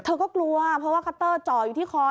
เธอก็กลัวเพราะว่าคัตเตอร์จ่ออยู่ที่คอ